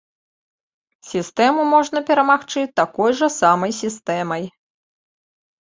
Сістэму можна перамагчы такой жа самай сістэмай.